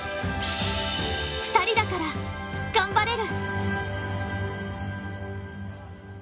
２人だから、頑張れる。